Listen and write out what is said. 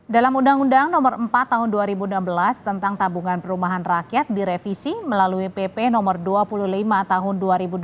dalam undang undang nomor empat tahun dua ribu enam belas tentang tabungan perumahan rakyat direvisi melalui pp no dua puluh lima tahun dua ribu dua puluh